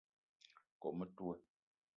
Kome metoua